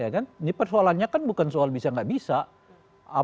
karena bukan soal bisa atau tidak bisa